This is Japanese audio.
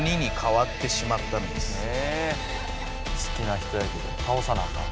好きな人やけどたおさなあかん。